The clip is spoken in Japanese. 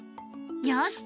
よし！